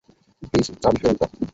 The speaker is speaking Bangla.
প্লিজ চাবি ফেরত দাও।